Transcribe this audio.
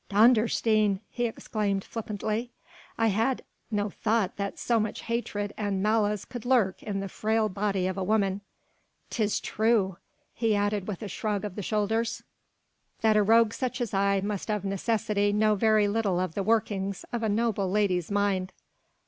"Dondersteen," he exclaimed flippantly, "I had no thought that so much hatred and malice could lurk in the frail body of a woman ... 'tis true," he added with a shrug of the shoulders, "that a rogue such as I must of necessity know very little of the workings of a noble lady's mind."